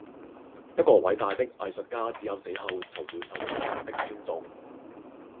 一個偉大的藝術家隻有死後才會受到世人的尊重